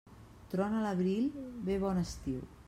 Trona l'abril: ve bon estiu.